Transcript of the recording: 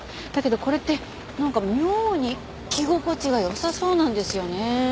だけどこれってなんか妙に着心地が良さそうなんですよね。